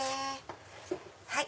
はい。